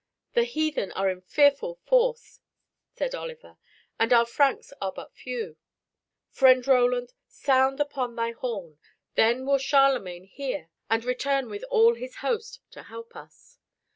"The heathen are in fearful force," said Oliver, "and our Franks are but few. Friend Roland, sound upon thy horn. Then will Charlemagne hear and return with all his host to help us."